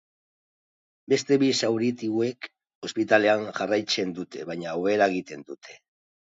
Beste bi zaurituek ospitalean jarraitzen dute, baina hobera egin dute.